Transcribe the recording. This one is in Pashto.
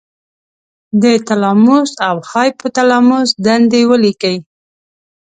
د تلاموس او هایپو تلاموس دندې ولیکئ.